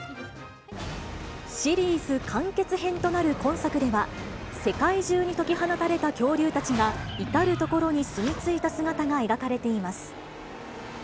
シリーズ完結編となる今作では、世界中に解き放たれた恐竜たちが、至る所に住み着いた姿が描かれています。